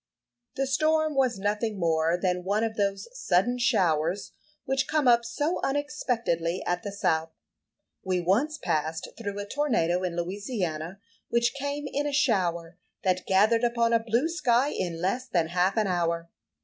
The storm was nothing more than one of those sudden showers which come up so unexpectedly at the south. We once passed through a tornado in Louisiana, which came in a shower that gathered upon a blue sky in less than half an hour.